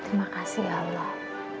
terima kasih allah